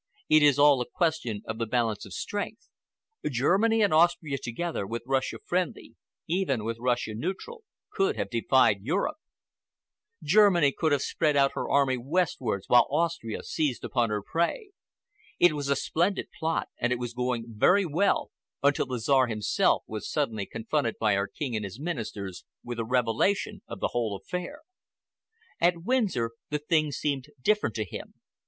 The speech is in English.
It is all a question of the balance of strength. Germany and Austria together, with Russia friendly,—even with Russia neutral,—could have defied Europe. Germany could have spread out her army westwards while Austria seized upon her prey. It was a splendid plot, and it was going very well until the Czar himself was suddenly confronted by our King and his Ministers with a revelation of the whole affair. At Windsor the thing seemed different to him.